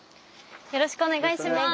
よろしくお願いします！